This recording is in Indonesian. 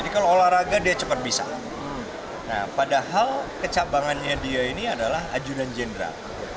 kalau olahraga dia cepat bisa nah padahal kecabangannya dia ini adalah ajudan jenderal